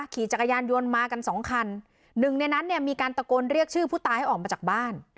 ขี่จักรยานยนต์มากันสองคันหนึ่งในนั้นเนี่ยมีการตะโกนเรียกชื่อผู้ตายให้ออกมาจากบ้าน